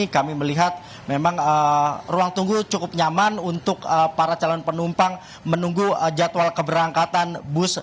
kami melihat memang ruang tunggu cukup nyaman untuk para calon penumpang menunggu jadwal keberangkatan bus